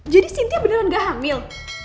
jadi sintia beneran gak hamil